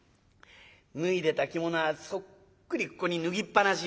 脱いでた着物はそっくりここに脱ぎっぱなし。